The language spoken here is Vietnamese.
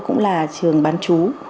cũng là trường bán chú